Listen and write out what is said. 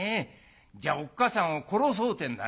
じゃあおっかさんを殺そうってんだね。